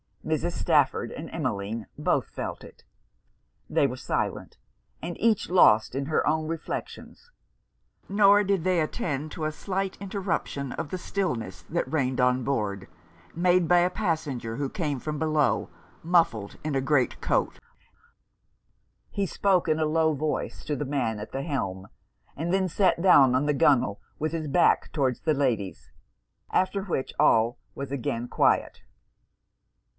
Mrs. Stafford and Emmeline both felt it. They were silent; and each lost in her own reflections; nor did they attend to a slight interruption of the stillness that reigned on board, made by a passenger who came from below, muffled in a great coat. He spoke in a low voice to the man at the helm, and then sat down on the gunwale, with his back towards the ladies; after which all was again quiet.